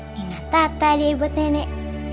dina tata dia buat nenek